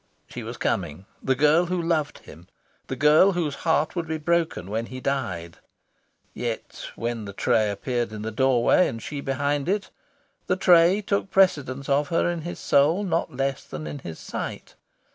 She was coming, the girl who loved him, the girl whose heart would be broken when he died. Yet, when the tray appeared in the doorway, and she behind it, the tray took precedence of her in his soul not less than in his sight.